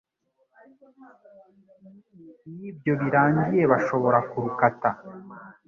Iyo ibyo birangiye bashobora kurukata